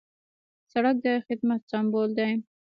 سړک د خدمت سمبول دی.